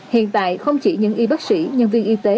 hiện tại không chỉ những y bác sĩ nhân viên y tế